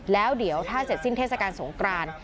แล้วเดี๋ยวถ้าเสร็จสิ้นเทศกาลสงกราน